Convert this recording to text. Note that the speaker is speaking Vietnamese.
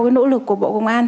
cái nỗ lực của bộ công an